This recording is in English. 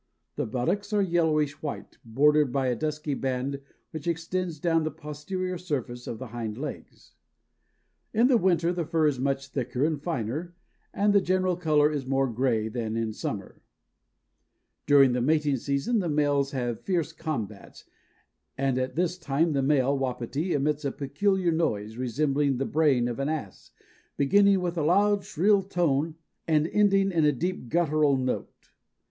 The buttocks are yellowish white, bordered by a dusky band which extends down the posterior surface of the hind legs." In winter the fur is much thicker and finer and the general color is more gray than in summer. "During the mating season the males have fierce combats, and at this time the male Wapiti emits a peculiar noise, resembling the braying of an ass, beginning with a loud shrill tone and ending in a deep guttural note."